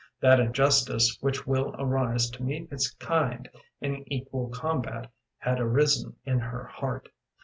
That injustice which will arise to meet its kind in equal combat had arisen in her heart.